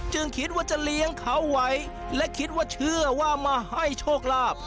คิดว่าจะเลี้ยงเขาไว้และคิดว่าเชื่อว่ามาให้โชคลาภ